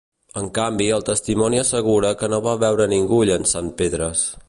En canvi, el testimoni assegura que no va veure ningú llençant pedres.